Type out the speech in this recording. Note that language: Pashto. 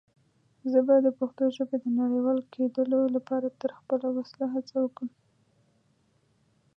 زه به دَ پښتو ژبې د نړيوال کيدلو لپاره تر خپله وسه هڅه وکړم.